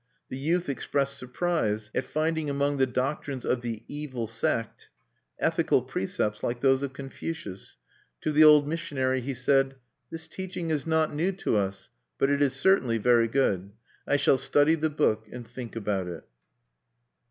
The youth expressed surprise at finding among the doctrines of the "Evil Sect" ethical precepts like those of Confucius. To the old missionary he said: "This teaching is not new to us; but it is certainly very good. I shall study the book and think about it."